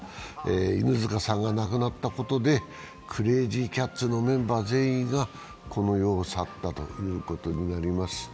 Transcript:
犬塚さんが亡くなったことでクレイジーキャッツのメンバー全員がこの世を去ったということになります。